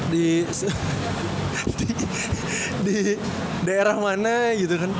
di daerah mana gitu kan